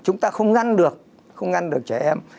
chúng ta không ngăn được trẻ em